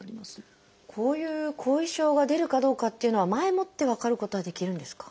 こういう後遺症が出るかどうかっていうのは前もって分かることはできるんですか？